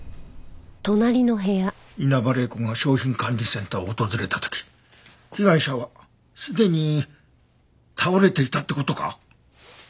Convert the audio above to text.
稲葉玲子が商品管理センターを訪れた時被害者はすでに倒れていたって事か？